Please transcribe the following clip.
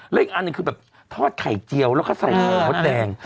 และอีกอันหนึ่งคือแบบทอดไข่เจียวแล้วก็ใส่ไข่มดแดง